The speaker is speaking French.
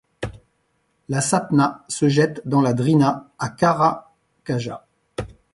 La Sapna se jette dans la Drina à Karakaja.